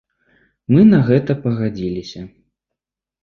Мы на гэта пагадзіліся.